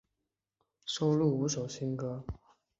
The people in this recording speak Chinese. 收录五首新歌。